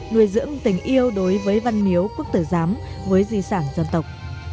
nuôi dưỡng tình yêu đối với văn miếu quốc tử giám với di sản dân tộc